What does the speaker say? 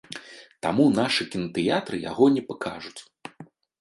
Таму нашы кінатэатры яго не пакажуць.